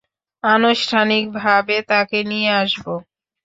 আনুষ্ঠানিকভাবে তাকে নিয়ে আসব।